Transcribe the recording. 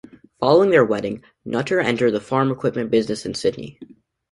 Following their wedding, Nutter entered the farm equipment business in Sidney.